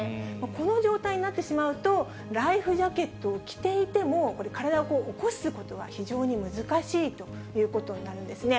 この状態になってしまうと、ライフジャケットを着ていても、体を起こすことは非常に難しいということになるんですね。